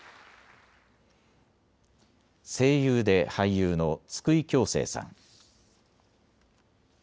声優で俳優の津久井教生さん。